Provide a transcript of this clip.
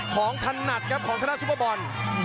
ถนัดครับของธนาซุปเปอร์บอล